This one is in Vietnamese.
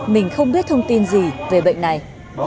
mình không biết thông tin gì về bệnh này